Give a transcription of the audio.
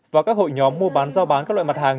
và các hội nhóm mua bán giao bán các loại mặt hàng